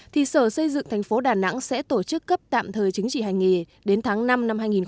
thì sở xây dựng thành phố đà nẵng sẽ tổ chức cấp tạm thời chứng chỉ hành nghề đến tháng năm năm hai nghìn hai mươi